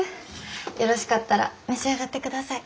よろしかったら召し上がってください。